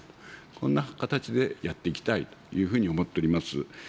こんな形でやっていきたいというふうに思っております。